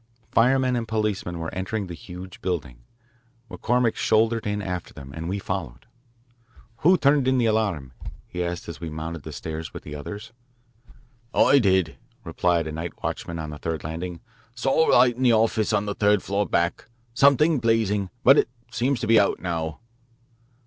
Firemen and policemen were entering the huge building. McCormick shouldered in after them, and we followed. "Who turned in the alarm?" he asked as we mounted the stairs with the others. "I did," replied a night watchman on the third landing. "Saw a light in the office on the third floor back something blazing. But it seems to be out now."